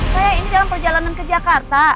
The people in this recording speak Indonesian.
saya ini dalam perjalanan ke jakarta